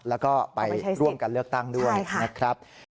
แล้วก็ไปร่วมกันเลือกตั้งด้วยนะครับ